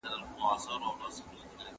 چاویل مور یې بي بي پلار یې اوزبک دی